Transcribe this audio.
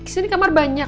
sini kamar banyak